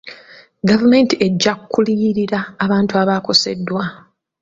Gavumenti ejja kuliyirira bantu abakoseddwa.